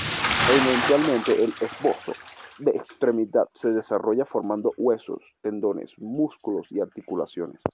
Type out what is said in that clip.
Eventualmente, el esbozo de extremidad se desarrolla formando huesos, tendones, músculos y articulaciones.